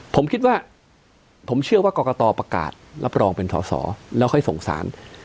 ผมคิดว่าผมเชื่อว่ากรกตประกาศรับรองเป็นสอสอแล้วค่อยสงสาร